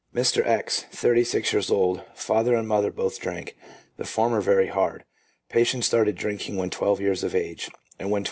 Mr. X., thirty six years old, father and mother both drank, the former very hard. Patient started drink ing when twelve years of age, and when twenty four 1 E.